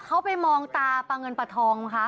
เขาไปมองตาปลาเงินปลาทองคะ